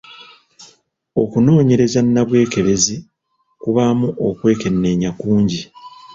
Okunoonyereza nnabwekebezzi kubaamu okwekenneenya kungi.